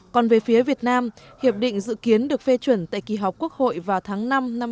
còn về phía việt nam hiệp định dự kiến được phê chuẩn tại kỳ họp quốc hội vào tháng năm năm hai nghìn hai mươi